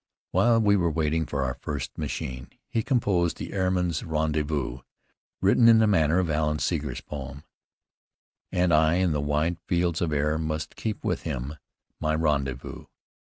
While we were waiting for our first machine, he composed "The Airman's Rendezvous," written in the manner of Alan Seeger's poem. "And I in the wide fields of air Must keep with him my rendezvous.